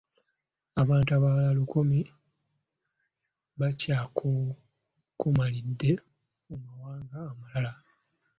Abantu abalala lukumi bakyakonkomalidde mu mawanga amalala.